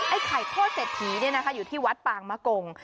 ไข่โคตรเศรษฐีอยู่ที่วัดปางมะกง